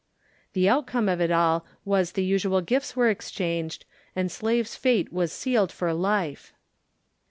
The outcome of it all was the usual gifts were exchanged and Slave's fate was sealed for life.